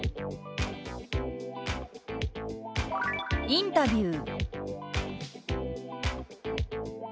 「インタビュー」。